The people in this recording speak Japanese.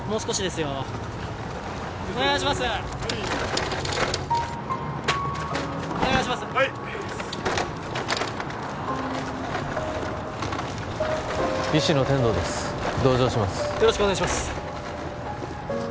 よろしくお願いします